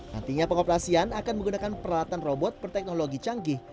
nantinya pengoperasian akan menggunakan peralatan robot berteknologi canggih